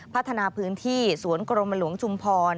พัฒนาพื้นที่สวนกรมหลวงชุมพร